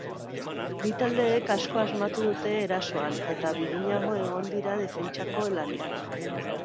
Bi taldeek asko asmatu dute erasoan eta biguinago egon dira defentsako lanean.